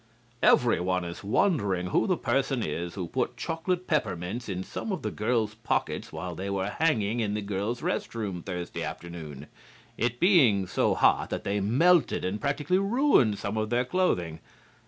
"Everyone is wondering who the person is who put chocolate peppermints in some of the girls' pockets while they were hanging in the Girls' Rest Room Thursday afternoon, it being so hot that they melted and practically ruined some of their clothing.